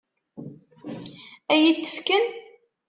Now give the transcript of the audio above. Ad iyi-t-fken?